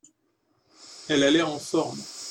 Elle a l'air en forme.